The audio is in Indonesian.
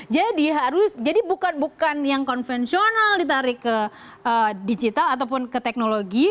jadi harus jadi bukan bukan yang konvensional ditarik ke digital ataupun ke teknologi